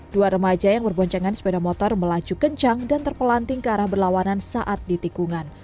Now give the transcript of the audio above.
dua remaja yang berboncengan sepeda motor melaju kencang dan terpelanting ke arah berlawanan saat di tikungan